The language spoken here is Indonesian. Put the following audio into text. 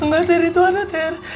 gak ter itu ada ter